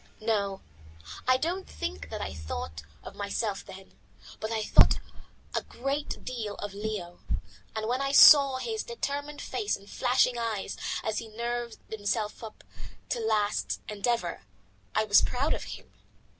No, I don't think that I thought of myself then, but I thought a great deal of Leo, and when I saw his determined face and flashing eyes as he nerved himself to the last endeavour, I was proud of him.